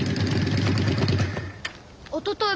おととい